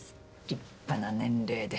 立派な年齢で。